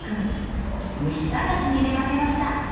虫探しに出かけました。